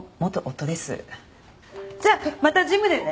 じゃあまたジムでね。